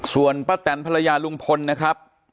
ส่วนป้าแตนภรรยาลุงพลนะครับ